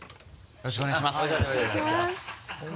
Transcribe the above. よろしくお願いします。